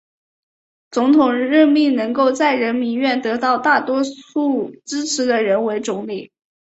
总统任命能够在人民院得到大多数支持的人为总理。